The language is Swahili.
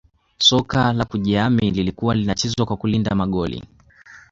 soka la kujiami lilikuwa linachezwa kwa kulinda goli